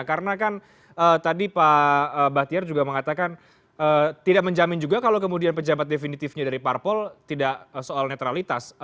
karena kan tadi pak bahtiar juga mengatakan tidak menjamin juga kalau kemudian penjabat definitifnya dari parpol tidak soal netralitas